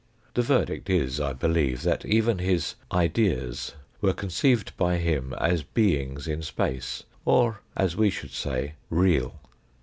The verdict is, I believe, that even his " ideas " were conceived by him as beings in space, or, as we should say, real.